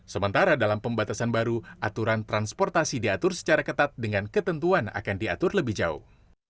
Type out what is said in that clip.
sementara dalam pembatasan baru aturan transportasi diatur secara ketat dengan ketentuan akan diatur lebih jauh